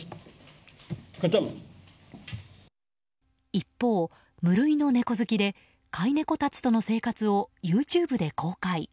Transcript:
一方、無類の猫好きで飼い猫たちとの生活をＹｏｕＴｕｂｅで公開。